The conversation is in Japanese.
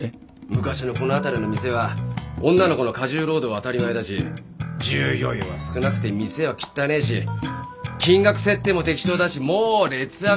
昔のこの辺りの店は女の子の過重労働は当たり前だし従業員は少なくて店はきったねえし金額設定も適当だしもう劣悪も劣悪よ